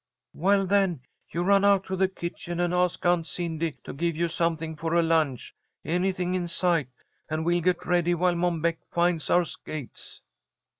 "Well, then, you run out to the kitchen and ask Aunt Cindy to give you something for a lunch, anything in sight, and we'll get ready while Mom Beck finds our skates."